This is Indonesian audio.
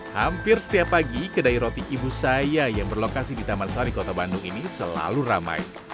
hampir setiap pagi kedai roti ibu saya yang berlokasi di taman sari kota bandung ini selalu ramai